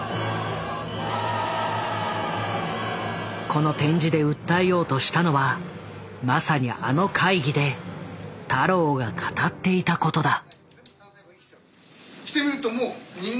この展示で訴えようとしたのはまさにあの会議で太郎が語っていたことだ。